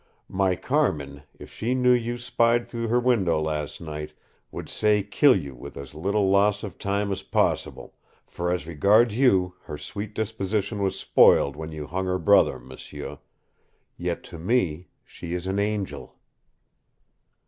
My Carmin, if she knew you spied through her window last night, would say kill you with as little loss of time as possible, for as regards you her sweet disposition was spoiled when you hung her brother, m'sieu. Yet to me she is an angel!"